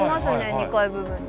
２階部分に。